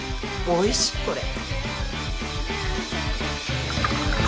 おいしいこれ。